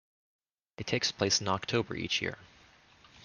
It takes place in October each year.